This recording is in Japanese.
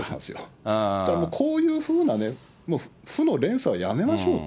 もうこういうふうなね、負の連鎖をやめましょうと。